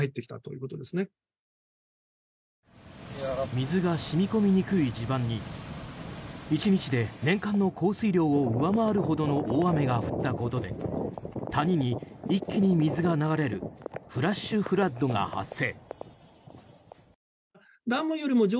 水が染み込みにくい地盤に１日で年間の降水量を上回るほどの大雨が降ったことで谷に一気に水が流れるフラッシュフラッドが発生。